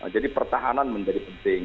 jadi pertahanan menjadi penting